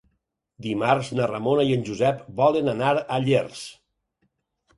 Dimarts na Ramona i en Josep volen anar a Llers.